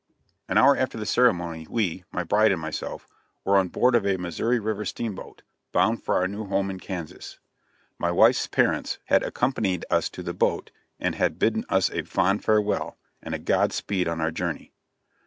An hour after the ceremony we my bride and myself were on board of a Missouri river steamboat, bound for our new home in Kansas. My wife's parents had accompanied us to the boat, and had bidden us a fond farewell and a God speed on our journey.